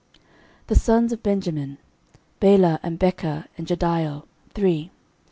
13:007:006 The sons of Benjamin; Bela, and Becher, and Jediael, three.